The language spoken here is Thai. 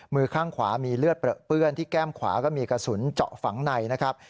มือข้างขวามีเลือดเปลือเปื้อนที่แก้มขวาก็มีกระสุนเจาะฝังในนะครับ